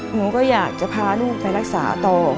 หนูก็อยากจะพาลูกไปรักษาต่อ